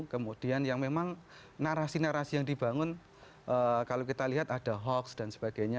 kemudian yang memang narasi narasi yang dibangun kalau kita lihat ada hoax dan sebagainya